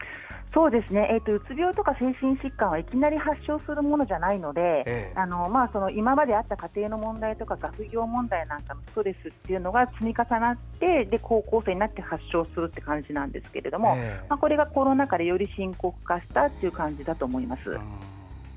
うつ病とか精神疾患はいきなり発症するものじゃないので今まであった家庭の問題学業問題のストレスが積み重なって高校生になって発症するという感じなんですがこれがコロナ禍でより深刻化した感じだと思います。